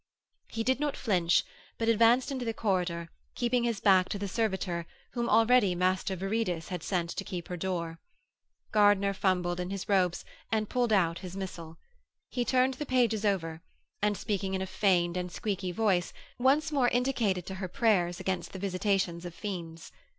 He did not flinch, but advanced into the corridor, keeping his back to the servitor whom already Master Viridus had sent to keep her door. Gardiner fumbled in his robes and pulled out his missal. He turned the pages over, and, speaking in a feigned and squeaky voice, once more indicated to her prayers against the visitations of fiends.